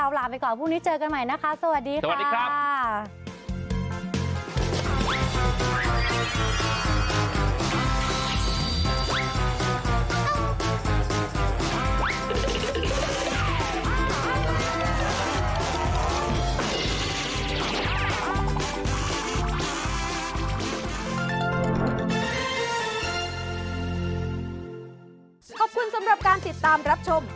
ให้มีครับ